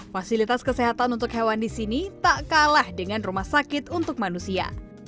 fasilitas kesehatan untuk hewan di sini tak kalah dengan rumah sakit untuk manusia